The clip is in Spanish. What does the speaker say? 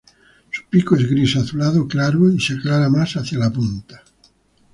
Su pico es gris azulado claro y se aclara más hacia la punta.